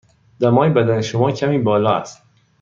دمای بدن شما کمی بالا است.